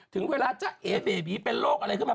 ถึงเวลาจะเอเบบีเป็นโรคอะไรขึ้นมา